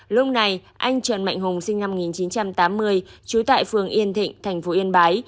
lúc này anh trần mạnh hùng sinh năm một nghìn chín trăm tám mươi trú tại phường yên thịnh thành phố yên bái